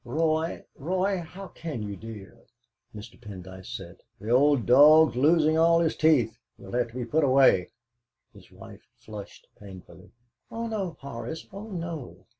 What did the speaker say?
"Roy, Roy, how can you, dear?" Mr. Pendyce said: "The old dog's losing all his teeth; he'll have to be put away." His wife flushed painfully. "Oh no, Horace oh no!"